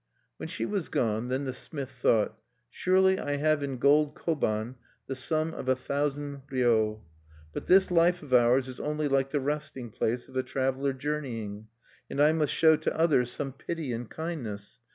When she was gone, then the smith thought: "Surely I have in gold koban(6) the sum of a thousand ryo. But this life of ours is only like the resting place of a traveler journeying, and I must show to others some pity and kindness.